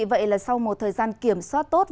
vậy là sau một thời gian kiểm soát tốt